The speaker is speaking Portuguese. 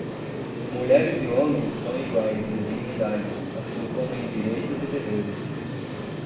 Mulheres e homens são iguais em dignidade, assim como em direitos e deveres.